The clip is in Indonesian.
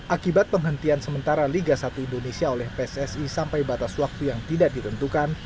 akibat penghentian sementara liga satu indonesia oleh pssi sampai batas waktu yang tidak ditentukan